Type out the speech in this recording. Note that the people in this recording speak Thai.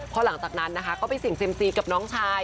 พอหลังจากนั้นนะคะก็ไปเสี่ยงเซ็มซีกับน้องชาย